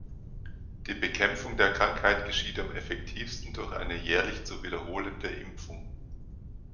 Die Bekämpfung der Krankheit geschieht am effektivsten durch eine jährlich zu wiederholende Impfung.